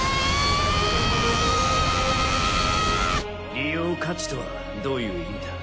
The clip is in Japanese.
利用価値とはどういう意味だ？